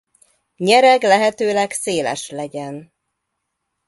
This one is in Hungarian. Nyereg lehetőleg széles legyen.